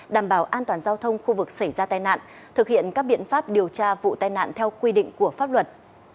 đảm bảo an toàn giao thông khu vực xảy ra tai nạn thực hiện các biện pháp điều tra vụ tai nạn theo quy định của pháp luật